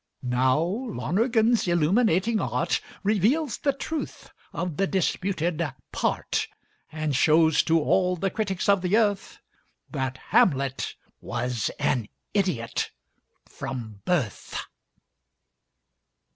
Now, Lonergan's illuminating art Reveals the truth of the disputed "part," And shows to all the critics of the earth That Hamlet was an idiot from birth!